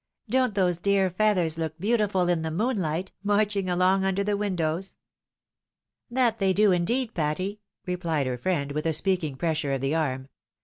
Don't those dear feathers look beautiful in the moonlight, inarching along under the windows? "" That they do indeed, Patty !" replied her friend, with a speaking pressure of the arm.